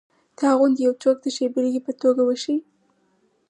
تا غوندې یو څوک د ښې بېلګې په توګه وښیي.